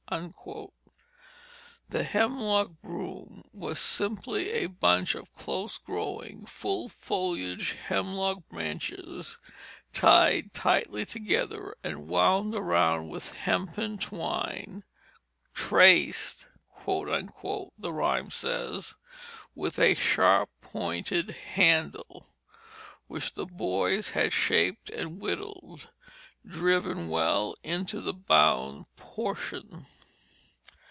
The hemlock broom was simply a bunch of close growing, full foliaged hemlock branches tied tightly together and wound around with hempen twine, "traced," the rhyme says, with a sharply pointed handle, which the boys had shaped and whittled, driven well into the bound portion.